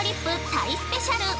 タイスペシャル。